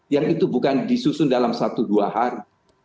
yang itu bukan disusun dalam satu dua hari